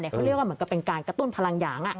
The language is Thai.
เขาเรียกว่าเหมือนกับเป็นการกระตุ้นพลังหยาง